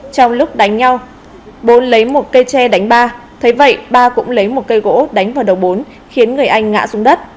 trong lúc đánh nhau bốn lấy một cây tre đánh ba thấy vậy ba cũng lấy một cây gỗ đánh vào đầu bốn khiến người anh ngã xuống đất